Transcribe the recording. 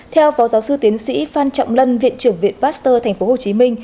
theo phó giáo sư tiến sĩ phan trọng lân viện trưởng viện pasteur tp hcm